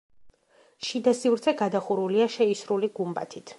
შიდა სივრცე გადახურულია შეისრული გუმბათით.